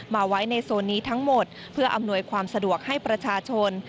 มาไว้ในโซนนี้ทั้งหมดเพื่ออำนวยความสะดวกให้ประชาชน